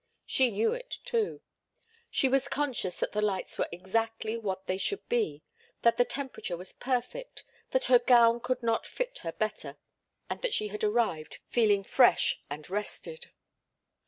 She knew it, too. She was conscious that the lights were exactly what they should be, that the temperature was perfect, that her gown could not fit her better and that she had arrived feeling fresh and rested.